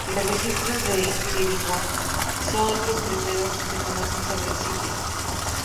Los registros de Quiriguá son los primeros que se conocen sobre el sitio.